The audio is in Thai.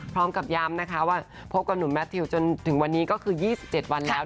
พร้อมกับย้ำนะคะว่าพบกับหนุ่มแมททิวจนถึงวันนี้ก็คือ๒๗วันแล้ว